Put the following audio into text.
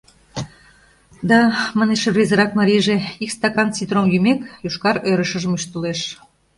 — Да, — манеш рвезырак марийже, ик стакан ситром йӱмек, йошкар ӧрышыжым ӱштылеш.